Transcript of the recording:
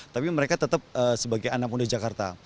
tapi mereka tetap sebagai anak muda jakarta